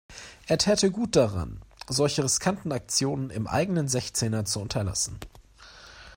Er täte gut daran, solche riskanten Aktionen im eigenen Sechzehner zu unterlassen.